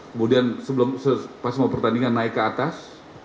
kemudian pas mau pertandingan naik ke atas